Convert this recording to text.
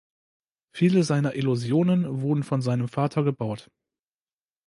Viele seiner Illusionen wurden von seinem Vater gebaut.